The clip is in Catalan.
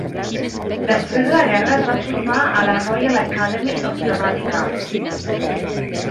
Després de la guerra es va formar a la Royal Academy of Dramatic Art.